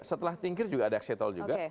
setelah tingkir juga ada exit tol juga